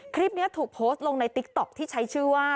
คลิปนี้ถูกโพสต์ลงในติ๊กต๊อกที่ใช้ชื่อว่า